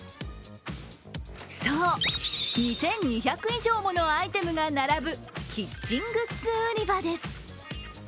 そう、２２００以上ものアイテムが並ぶキッチングッズ売り場です。